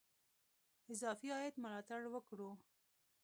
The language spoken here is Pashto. اضافي عاید ملاتړ وکړو.